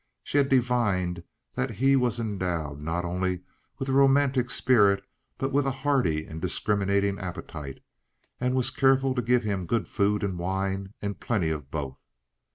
She had divined that he was endowed, not only with a romantic spirit, but with a hearty and discriminating appetite, and was careful to give him good food and wine and plenty of both.